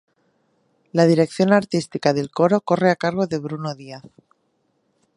La dirección artística del coro corre a cargo de Bruno Díaz.